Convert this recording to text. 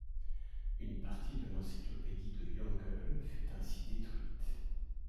Une partie de l'Encyclopédie de Yongle fut ainsi détruite.